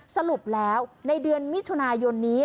สรุปแล้วในเดือนมิถุนายนนี้